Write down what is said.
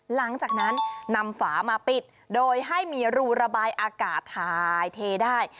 หลังจากนั้นนำฝามาปิดโดยให้มีรูระบายอากาศถ่ายเทได้